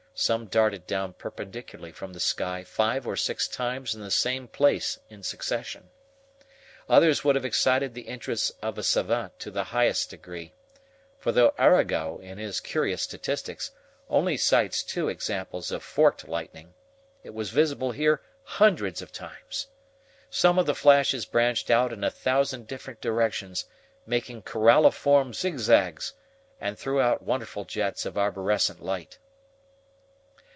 Some darted down perpendicularly from the sky five or six times in the same place in succession. Others would have excited the interest of a SAVANT to the highest degree, for though Arago, in his curious statistics, only cites two examples of forked lightning, it was visible here hundreds of times. Some of the flashes branched out in a thousand different directions, making coralliform zigzags, and threw out wonderful jets of arborescent light.